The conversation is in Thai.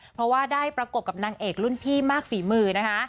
เพราะว่าได้ประกบกับนางเอกรุ่นพี่มากฝีมือนะคะ